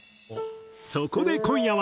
そこで今夜は。